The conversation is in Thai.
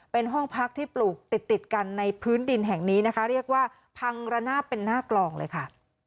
เป็นห้องพักที่ปลูกติดติดกันในพื้นดินแห่งนี้นะคะเรียกว่าพังระนาบเป็นหน้ากลองเลยค่ะ